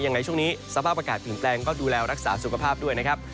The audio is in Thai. ยังไงช่วงนี้สภาพอากาศเปลี่ยนแปลงก็ดูแลรักษาสุขภาพด้วยนะครับ